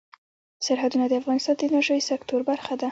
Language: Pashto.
سرحدونه د افغانستان د انرژۍ سکتور برخه ده.